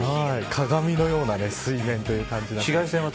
鏡のような水面という感じです。